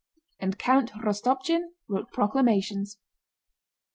And Count Rostopchín wrote proclamations.